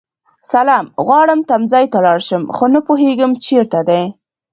سلام غواړم تمځای ته لاړشم خو نه پوهيږم چیرته دی